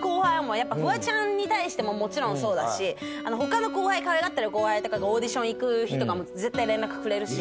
フワちゃんに対してももちろんそうだし他の後輩可愛がってる後輩とかがオーディション行く日とかも絶対連絡くれるし。